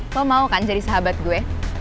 lo mau kan jadi sahabat gue